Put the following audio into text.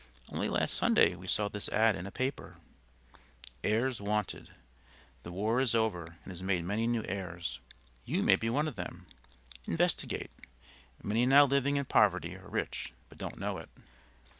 Only last Sunday we saw this ad in a paper: HEIRS WANTED. The war is over and has made many new heirs. You may be one of them. Investigate. Many now living in poverty are rich, but don't know it.